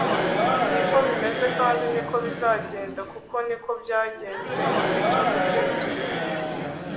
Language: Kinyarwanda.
niko bimeze, kandi niko bizagenda, kuko niko byagenze, igihe cyo gutekereza: